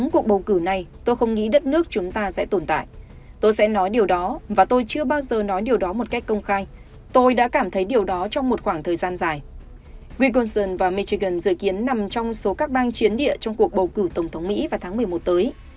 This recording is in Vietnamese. quyên côn sơn và michigan dự kiến nằm trong số các bang chiến địa trong cuộc bầu cử tổng thống mỹ vào tháng một mươi một tới